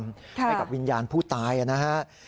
ให้กับวิญญาณผู้ตายนะฮะ